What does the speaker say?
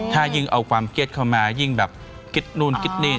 ถ้ายิ่งเอาความเก็ตเข้ามายิ่งแบบคิดนู่นคิดนี่